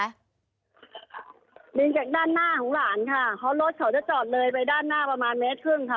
ดึงจากด้านหน้าของหลานค่ะเพราะรถเขาจะจอดเลยไปด้านหน้าประมาณเมตรครึ่งค่ะ